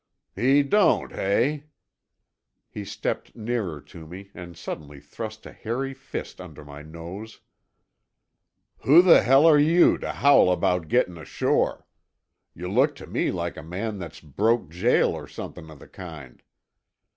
"He don't, hey?" He stepped nearer to me and suddenly thrust a hairy fist under my nose. "Who the hell are you, t' howl about gettin' ashore? You look t' me like a man that's broke jail or somethin' o' the kind.